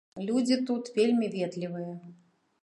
Людзі тут вельмі ветлівыя.